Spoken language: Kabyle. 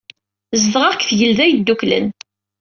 Zedɣeɣ deg Tgelda Yedduklen.